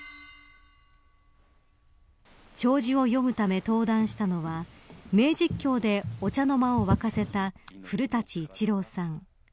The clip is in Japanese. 弔辞を読むため登壇したのは名実況で、お茶の間を沸かせた古舘伊知郎さん。